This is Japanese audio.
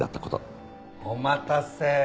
お待たせ！